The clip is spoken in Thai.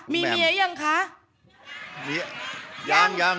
ที่จะเป็นความสุขของชาวบ้าน